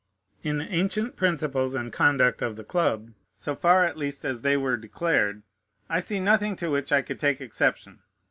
In the ancient principles and conduct of the club, so far at least as they were declared, I see nothing to which I could take exception.